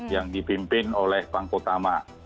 yang dipimpin oleh pangko tama